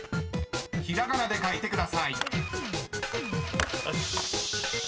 ［ひらがなで書いてください］よしっ！